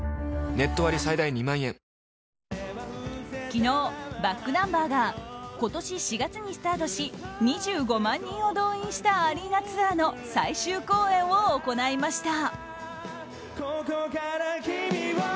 昨日ｂａｃｋｎｕｍｂｅｒが今年４月にスタートし２５万人を動員したアリーナツアーの最終公演を行いました。